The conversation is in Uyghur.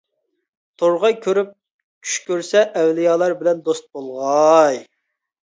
تورغاي كۆرۈپ چۈش كۆرسە ئەۋلىيالار بىلەن دوست بولغاي.